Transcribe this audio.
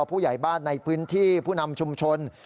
ผู้ใหญ่บ้านในพื้นที่ผู้นำชุมชน